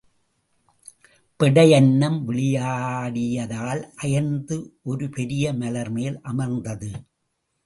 பெடை அன்னம் விளையாடியதால் அயர்ந்து ஒரு பெரிய மலர் மேல் அமர்ந்தது.